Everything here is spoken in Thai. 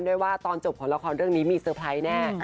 ด้วยว่าตอนจบของละครเรื่องนี้มีเซอร์ไพรส์แน่